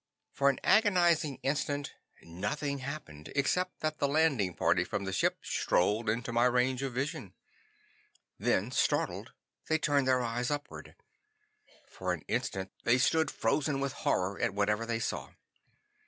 For an agonizing instant nothing happened, except that the landing party from the ship strolled into my range of vision. Then startled, they turned their eyes upward. For an instant they stood frozen with horror at whatever they saw.